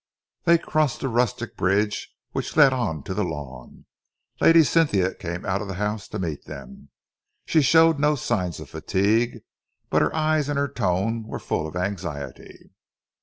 They crossed the rustic bridge which led on to the lawn. Lady Cynthia came out of the house to meet them. She showed no signs of fatigue, but her eyes and her tone were full of anxiety.